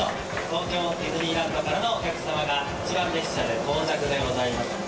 東京ディズニーランドからのお客様が一番列車で到着でございます。